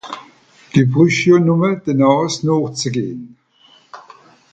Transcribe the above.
Dü brüsch jo nùmme de Nààs nooch ze gehn.